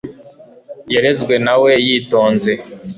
yarezwe na we yitonze